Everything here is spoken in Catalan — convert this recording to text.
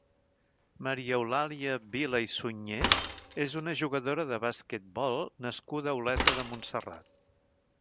Maria Eulàlia Vila i Sunyer és una jugadora de basquetbol nascuda a Olesa de Montserrat.